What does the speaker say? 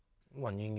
人間。